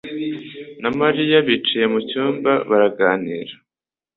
na Mariya bicaye mucyumba baraganira.